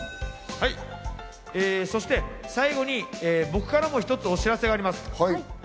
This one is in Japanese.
そして最後に僕からも一つお知らせがあります。